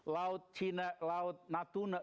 laut cina laut natuna